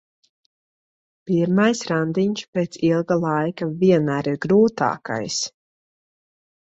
Pirmais randiņš pēc ilga laika vienmēr ir grūtākais.